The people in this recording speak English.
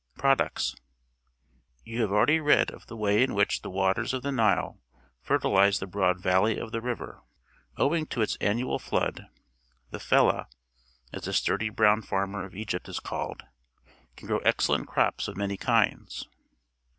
Products. — You have already read of the way in which the waters of the Nile fer tiUze the broad valley of the river. Owing Camels and Pyramids, Egypt to its annual flood, the "fellah," as the sturdy brown farmer of Egj^^t is called, can grow excellent crops of many kinds.